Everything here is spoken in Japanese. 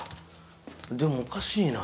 でもおかしいな。